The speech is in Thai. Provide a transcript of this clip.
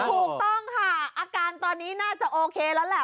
ถูกต้องค่ะอาการตอนนี้น่าจะโอเคแล้วแหละ